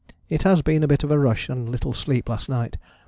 It has been a bit of a rush and little sleep last night.